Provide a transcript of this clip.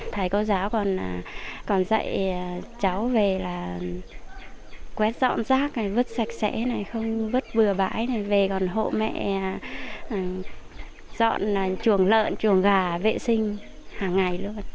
thầy cô giáo còn dạy cháu về là quét dọn rác này vứt sạch sẽ không vứt bừa bãi này về còn hộ mẹ dọn chuồng lợn chuồng gà vệ sinh hàng ngày luôn